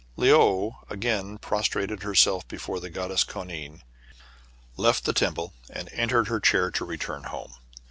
Le ou again prostrated herself before the God dess Koanine, left the temple, and entered her chair to return home.